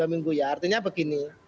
dua minggu ya artinya begini